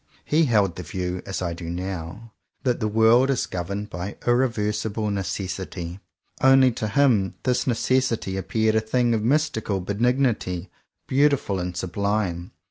He held the view, as I do now, that the world is governed by irreversible Necessity — only to him this Necessity appeared a thing of mystical benignity, beautiful and sublime.